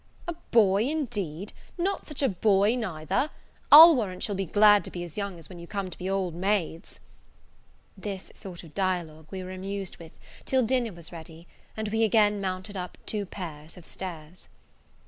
"A boy, indeed! not such a boy, neither: I'll warrant you'll be glad to be as young when you come to be old maids." This sort of dialogue we were amused with till dinner was ready, when we again mounted up two pairs of stairs.